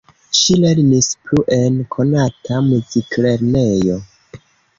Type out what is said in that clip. Ŝi lernis plu en konata muziklernejo.